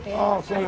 そう。